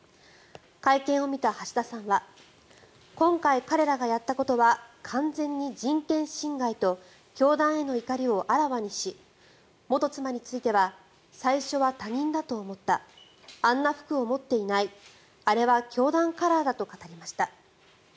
会見を見た橋田さんは今回彼らがやったことは完全に人権侵害と教団への怒りをあらわにし元妻に対しては最初は他人だと思ったあんな服を持っていないあれは教団カラーだと語りました。